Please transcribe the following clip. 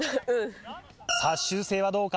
さぁ修正はどうか？